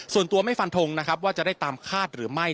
ส่วนตัวไม่ฟันทงนะครับว่าจะได้ตามคาดหรือไม่